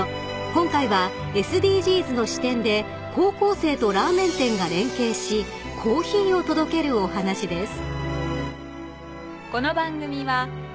［今回はＳＤＧｓの視点で高校生とラーメン店が連携しコーヒーを届けるお話です］